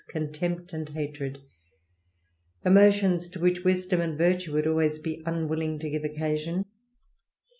•Mntempt and hatred, emotions to which wisdom and virtue Would be always unwilling to give occasion.